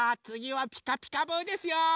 つぎは「ピカピカブ！」ですよ！